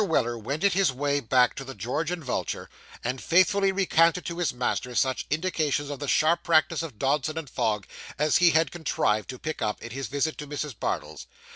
Weller wended his way back to the George and Vulture, and faithfully recounted to his master, such indications of the sharp practice of Dodson & Fogg, as he had contrived to pick up in his visit to Mrs. Bardell's.